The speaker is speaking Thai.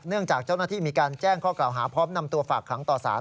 จากเจ้าหน้าที่มีการแจ้งข้อกล่าวหาพร้อมนำตัวฝากขังต่อสาร